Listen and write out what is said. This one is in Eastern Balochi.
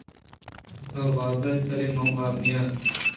تو وابئے بلئے من ءَ واب نئیت اِنت